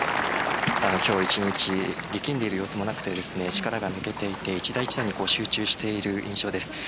今日一日力んでいる様子もなくて力が抜けていて一打一打に集中している印象です。